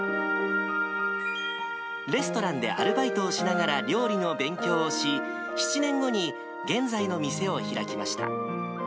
レストランでアルバイトをしながら料理の勉強をし、７年後に現在の店を開きました。